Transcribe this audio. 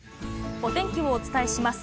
お天気をお伝えします。